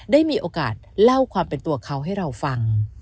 ได้มีโอกาสเล่าความเป็นตัวเขาให้เราฟัง